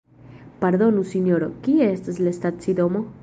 Pardonu sinjoro, kie estas la stacidomo?